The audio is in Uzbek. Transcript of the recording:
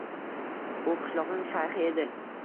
U qishloqning shayxi edi